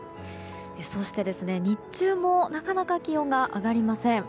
そして、日中もなかなか気温が上がりません。